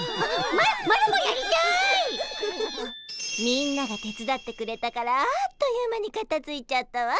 みんなが手伝ってくれたからあっという間にかたづいちゃったわ。